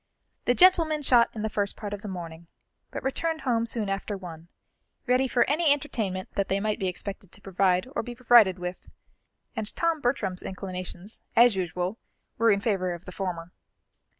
The gentlemen shot in the first part of the morning, but returned home soon after one, ready for any entertainment that they might be expected to provide or be provided with; and Tom Bertram's inclinations, as usual, were in favour of the former.